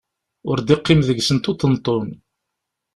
Ur d-iqqim deg-sent uṭenṭun.